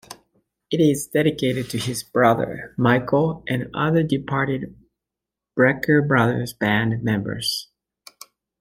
It is dedicated to his brother, Michael, and other departed Brecker Brothers Band members.